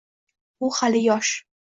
«U hali yosh